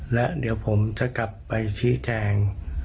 และเดี๋ยวผมจะกลับไปชี้แจง